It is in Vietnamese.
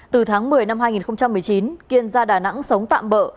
từ tháng một mươi năm hai nghìn một mươi chín kiên ra đà nẵng sống tạm bỡ